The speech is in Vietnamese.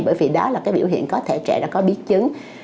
bởi vì đó là cái biểu hiện có thể trẻ đã có biến chứng